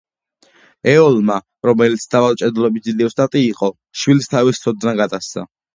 ეოლმა, რომელიც თავად მჭედლობის დიდი ოსტატი იყო, შვილს თავისი ცოდნა გადასცა.